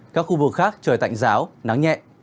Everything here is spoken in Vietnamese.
các khu vực khác trời tạnh giáo nắng nhẹ